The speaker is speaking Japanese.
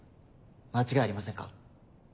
間違いありませんか。